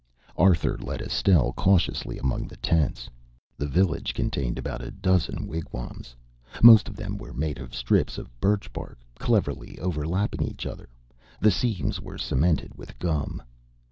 Arthur led Estelle cautiously among the tents. The village contained about a dozen wigwams. Most of them were made of strips of birch bark, cleverly overlapping each other, the seams cemented with gum.